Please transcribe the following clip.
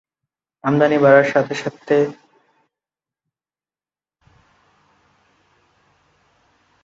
আমদানি বাড়ার সঙ্গে সঙ্গে ধানের দাম আরও পড়ে যাওয়ার সম্ভাবনা রয়েছে।